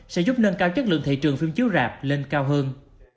sẽ giúp nâng cao chất lượng thị trường phim chiếu rạp lên cao hơn